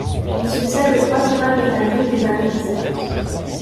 Il succède aux trois tournois britanniques des années précédentes.